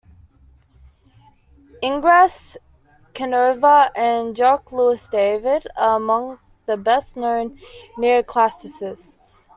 Ingres, Canova, and Jacques-Louis David are among the best-known neoclassicists.